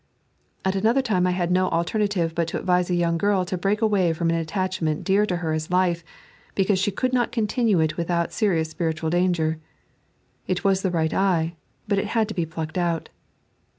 At another time I had no alternative but to advise a young girl to break away from an attachment dear to her as life, because she could not continue it without seriouB spiritual danger. It was the right eye, but it had to be plucked out.